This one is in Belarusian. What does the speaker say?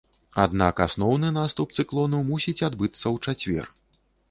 Аднак асноўны наступ цыклону мусіць адбыцца ў чацвер.